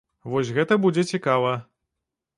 Вось гэта будзе цікава.